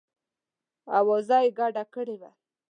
آوازه یې ګډه کړې وه.